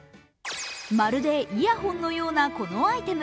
まるでイヤホンのようなこのアイテム。